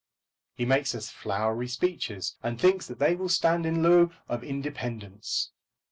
He makes us flowery speeches, and thinks that they will stand in lieu of independence.